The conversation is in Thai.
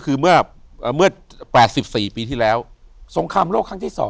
อยู่ที่แม่ศรีวิรัยิลครับ